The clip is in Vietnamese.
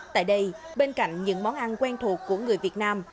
tại đây bên cạnh những món ăn quen thuộc của người việt nam